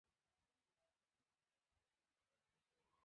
The following locations are areas generally marked as main attractions.